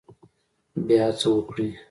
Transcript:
بیا هڅه وکړئ